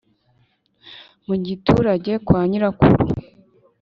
mu giturage kwa nyirakuru